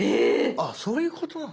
あっそういうことなの。